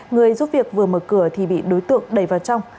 người giúp việc vừa mở cửa thì bị đối tượng đẩy vào trong